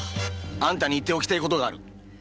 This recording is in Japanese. あんたに言っておきてえことがある。